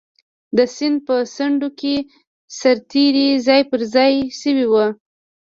د سیند په څنډو کې سرتېري ځای پر ځای شوي وو.